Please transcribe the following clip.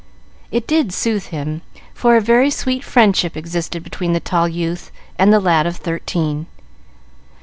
It did soothe him, for a very sweet friendship existed between the tall youth and the lad of thirteen.